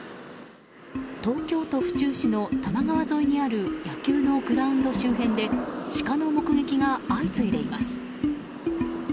東京都府中市の多摩川沿いにある野球のグラウンド周辺でシカの目撃が相次いでいます。